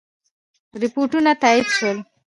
رپوټونه تایید شول.